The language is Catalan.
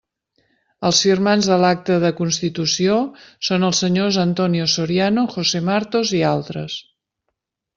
Els firmants de l'acta de constitució són els senyors Antonio Soriano, José Martos i altres.